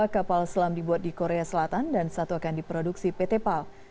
dua kapal selam dibuat di korea selatan dan satu akan diproduksi pt pal